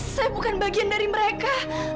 saya bukan bagian dari mereka